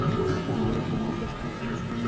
نبات د رڼا په واسطه رڼا جوړونه کوي